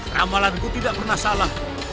ramalanku tidak pernah salah